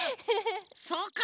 そうか！